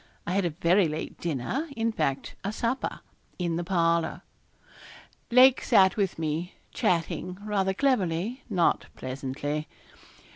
I had a very late dinner in fact a supper in the parlour. Lake sat with me chatting, rather cleverly, not pleasantly.